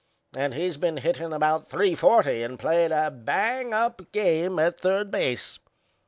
And he's been hittin' about .340 and played a hang up game at third base.